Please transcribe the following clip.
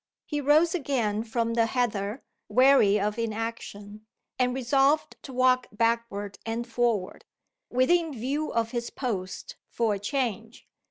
He rose again from the heather, weary of inaction, and resolved to walk backward and forward, within view of his post, for a change.